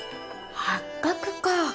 八角か！